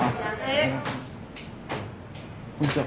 こんにちは。